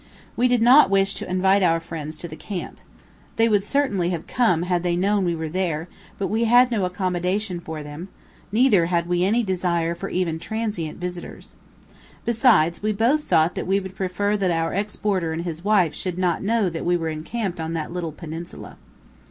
We did not wish to invite our friends to the camp. They would certainly have come had they known we were there, but we had no accommodations for them, neither had we any desire for even transient visitors. Besides, we both thought that we would prefer that our ex boarder and his wife should not know that we were encamped on that little peninsula.